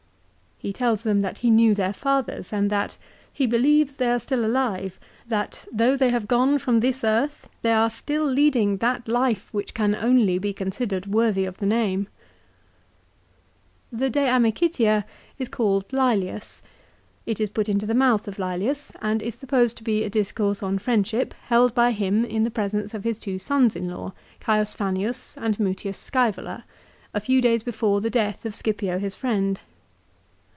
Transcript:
4 He tells them that he knew their fathers, and that " he believes they are still alive, that though they have gone from this 1 De Senectute, ca. ix. 2 Ibid., ca. x. 3 Ibid. ca. xi. * Ibid. ca. xviii. 382 LIFE OF CICERO. earth, they are still leading that life which can only be considered worthy of the name." l The "De Amicitia" is called Lselius. It is put into the mouth of Lselius and is supposed to be a discourse on friendship held by him in the presence of his two sons in law Caius Fannius, and Mutius Scsevola, a few days after the death of Scipio his friend.